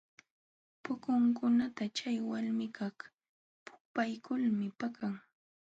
Pukunkunata chay walmikaq pukpaykulmi paqan.